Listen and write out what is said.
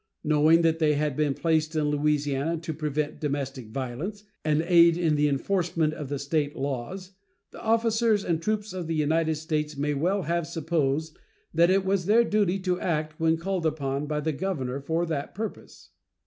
Knowing that they had been placed in Louisiana to prevent domestic violence and aid in the enforcement of the State laws, the officers and troops of the United States may well have supposed that it was their duty to act when called upon by the governor for that purpose.